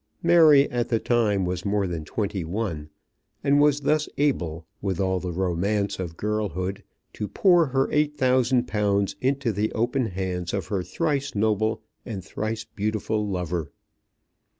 Mary at the time was more than twenty one, and was thus able, with all the romance of girlhood, to pour her eight thousand pounds into the open hands of her thrice noble and thrice beautiful lover.